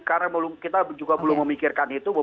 karena memang kita juga belum memikirkan itu